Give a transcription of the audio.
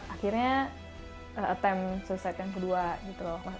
akhirnya attempt suicide yang kedua gitu loh